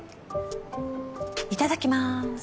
いただきます。